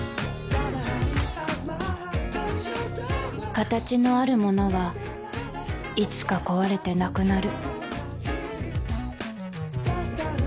形のあるものはいつか壊れてなくなる